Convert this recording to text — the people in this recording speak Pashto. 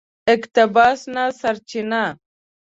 اقتباس نه سرچینه